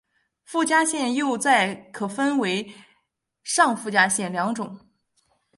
附加线又再可分为上附加线两种。